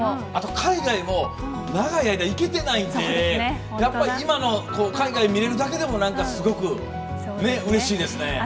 海外も長い間、行けてないんでやっぱり、今の海外を見れるだけでもすごくうれしいですね。